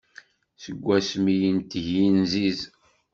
Seg wasmi yenteg yinziz.